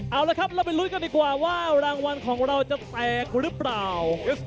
เอาละครับเราไปลุ้นกันดีกว่าว่ารางวัลของเราจะแตกคุณหรือเปล่า